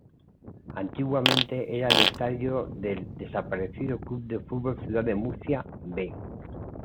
Antiguamente era el estadio del desaparecido Club de Fútbol Ciudad de Murcia "B".